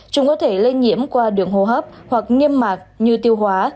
chúng có thể lây nhiễm qua đường hô hấp hoặc nghiêm mạc như tiêu hóa